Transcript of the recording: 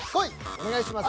お願いします。